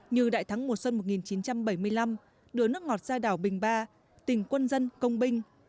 như đại thắng mùa xuân một nghìn chín trăm bảy mươi năm đứa nước ngọt ra đảo bình ba tỉnh quân dân công binh